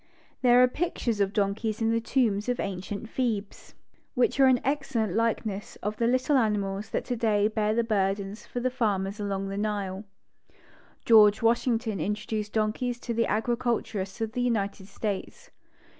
There are pictures of donkeys in the tombs of ancient Thebes, which are excellent likenesses of 39 Mammals The Donkey the little animals that today bear the burdens for the farmers along the Nile. George Washington introduced donkeys to the agriculturists of the United States.